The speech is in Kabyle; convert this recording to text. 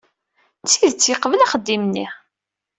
D tidet yeqbel axeddim-nni.